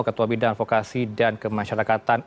ketua bidang advokasi dan kemasyarakatan